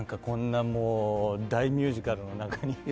こんなもう大ミュージカルの中に。